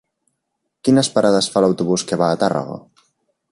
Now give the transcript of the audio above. Quines parades fa l'autobús que va a Tàrrega?